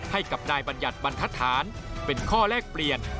ให้กับนายบัญญัติบรรทฐานเป็นข้อแลกเปลี่ยน